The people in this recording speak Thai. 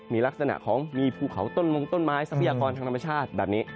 มีลักษณะของมีภูเขาต้นมงต้นไม้ทรัพยากรทางธรรมชาติแบบนี้